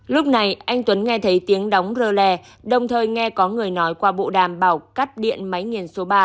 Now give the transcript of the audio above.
lúc này anh tuấn nghe thấy tiếng đóng rơ lè đồng thời nghe có người nói qua bộ đàm bảo cắt điện máy nghiền số ba